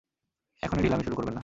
এখনই ঢিলামি শুরু করবেন না।